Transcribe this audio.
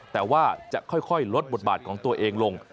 แต่ว่าจะค่อยลดบทบาทของตัวเองลง